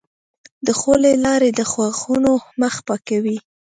د خولې لاړې د غاښونو مخ پاکوي.